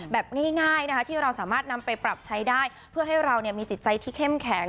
แบบง่ายนะคะที่เราสามารถนำไปปรับใช้ได้เพื่อให้เรามีจิตใจที่เข้มแข็ง